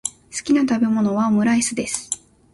好きな食べ物はオムライスです。